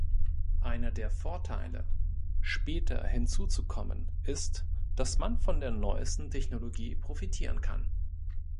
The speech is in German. Einer der Vorteile, später hinzuzukommen, ist, dass man von der neuesten Technologie profitieren kann.